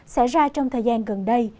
xảy ra trong thời gian gần đây